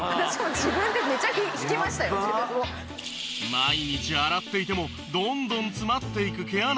毎日洗っていてもどんどん詰まっていく毛穴の汚れ。